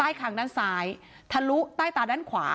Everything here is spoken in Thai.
คางด้านซ้ายทะลุใต้ตาด้านขวา